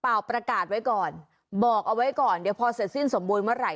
ประกาศไว้ก่อนบอกเอาไว้ก่อนเดี๋ยวพอเสร็จสิ้นสมบูรณเมื่อไห